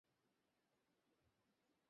তুমি কোন রোগে ভুগছিলে?